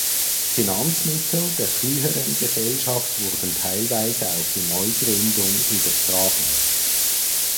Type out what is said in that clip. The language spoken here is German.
Finanzmittel der früheren Gesellschaft wurden teilweise auf die Neugründung übertragen.